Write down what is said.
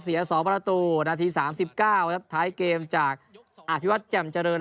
๒ประตูนาที๓๙ครับท้ายเกมจากอภิวัตรแจ่มเจริญ